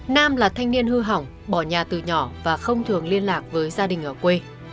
nam là thanh niên hư hỏng bỏ nhà từ nhỏ và không thường liên lạc với gia đình ở quê